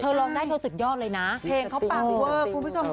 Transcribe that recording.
ร้องได้เธอสุดยอดเลยนะเพลงเขาปาฟิเวอร์คุณผู้ชมค่ะ